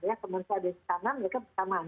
ya kemudian di sana mereka bersamaan